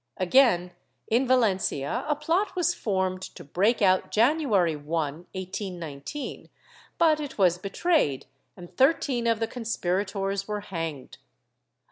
Again in Valencia a plot was formed to break out January 1, 1819, but it was betrayed and thirteen of the conspirators were hanged.